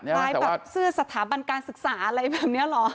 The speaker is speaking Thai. คล้ายแบบเสื้อสถาบันการศึกษาอะไรแบบนี้เหรอ